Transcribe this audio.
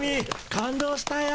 感動したよ。